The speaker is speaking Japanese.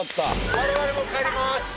我々帰ります。